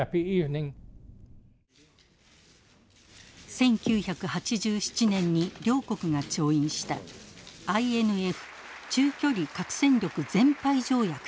１９８７年に両国が調印したＩＮＦ中距離核戦力全廃条約です。